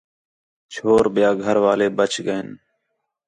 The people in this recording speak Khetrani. چھور ٻِیا گھر والے ٻچ ڳئین